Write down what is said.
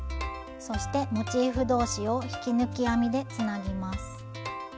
そしてモチーフ同士を引き抜き編みでつなぎます。